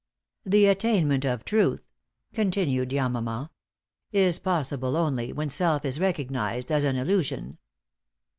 "The attainment of truth," continued Yamama, "is possible only when self is recognized as an illusion.